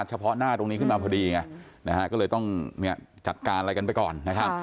เฉพาะหน้าตรงนี้ขึ้นมาพอดีไงนะฮะก็เลยต้องจัดการอะไรกันไปก่อนนะครับ